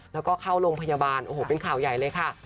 แล้วก็เข้าโรงพยาบาลโอ้โหเป็นข่าวใหญ่เลยค่ะ